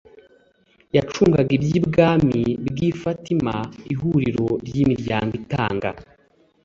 yacungaga iby umwami bwi ifatima ihuriro ry imiryango itanga